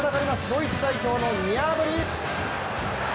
ドイツ代表のニャブリ。